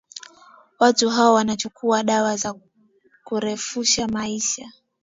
watu hao wanachukua dawa za kurefusha maisha